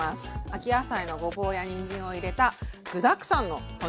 秋野菜のごぼうやにんじんを入れた具だくさんの豚汁です。